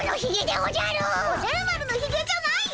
おじゃる丸のひげじゃないよ！